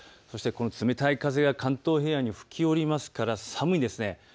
そしてこの冷たい風は関東平野に吹き降りますから寒いんですね。